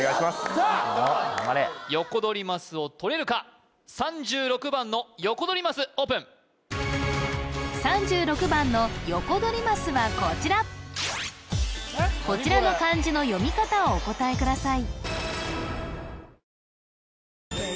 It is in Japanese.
頑張れヨコドリマスをとれるか３６番のヨコドリマスオープン３６番のヨコドリマスはこちらこちらの漢字の読み方をお答えください